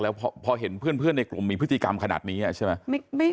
แล้วพอเห็นเพื่อนในกลุ่มมีพฤติกรรมขนาดนี้ใช่ไหม